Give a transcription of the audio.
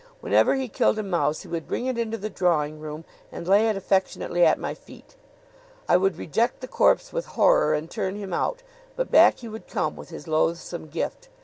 Whenever he killed a mouse he would bring it into the drawing room and lay it affectionately at my feet. I would reject the corpse with horror and turn him out, but back he would come with his loathsome gift.